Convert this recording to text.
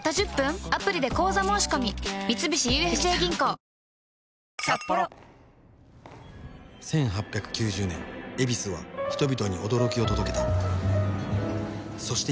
新「ＥＬＩＸＩＲ」１８９０年「ヱビス」は人々に驚きを届けたそして